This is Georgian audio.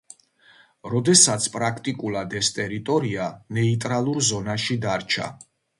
როდესაც პრაქტიკულად ეს ტერიტორია „ნეიტრალურ ზონაში“ დარჩა.